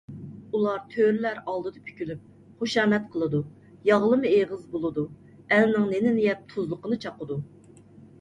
ئۇلار تۆرىلەر ئالدىدا پۈكۈلۈپ، خۇشامەت قىلىدۇ، ياغلىما ئېغىز بولىدۇ، ئەلنىڭ نېنىنى يەپ، تۇزلۇقىنى چاقىدۇ.